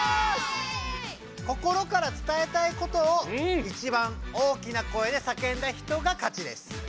心からつたえたいことをいちばん大きな声でさけんだ人が勝ちです。